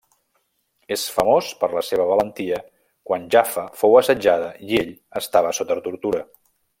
És famós per la seva valentia quan Jaffa fou assetjada i ell estava sota tortura.